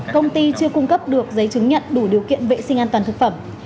công ty chưa cung cấp được giấy chứng nhận đủ điều kiện vệ sinh an toàn thực phẩm